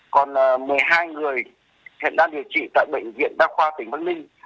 còn một mươi hai người hiện đang điều trị tại bệnh viện đa khoa tỉnh bắc ninh